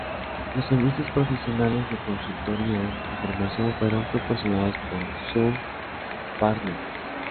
Los servicios profesionales, de consultoría y formación fueron proporcionados por "Sun Partners".